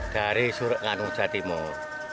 dari surat nganuja timur